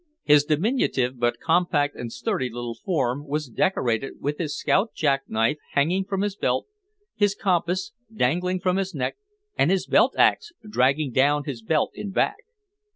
His diminutive but compact and sturdy little form was decorated with his scout jack knife hanging from his belt, his compass dangling from his neck, and his belt ax dragging down his belt in back.